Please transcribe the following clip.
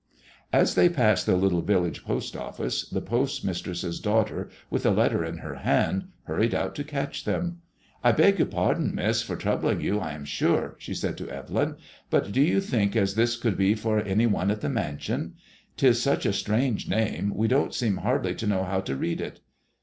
As they passed the little village post office, the post mistress's daughter, with a letter in her hand, hurried out to catch them. " I beg your pardon. Miss, for troubling you, I am sure," she said to Evelyn. But do you think as this could be for any one at the mansion ? 'Tis such a strange name. We don't seem hardly to know how to read it."